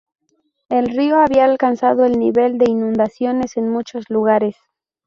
El río había alcanzado el nivel de inundaciones en muchos lugares.